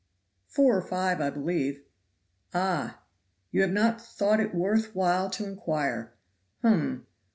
"Four or five, I believe." "Ah, you have not thought it worth while to inquire!! Hum!